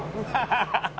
「ハハハハ！